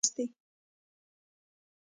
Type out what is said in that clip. سترګې يې سره ور وستې.